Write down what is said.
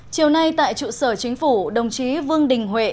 chiều nay tại trụ sở chính phủ đồng chí vương đình huệ